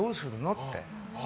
って。